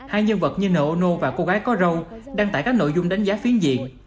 hai nhân vật như nô ô nô và cô gái có râu đăng tải các nội dung đánh giá phiến diện